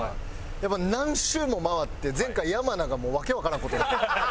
やっぱ何周も回って前回山名がもう訳わからん事なった。